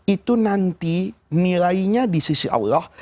itu nanti nilainya di sisi allah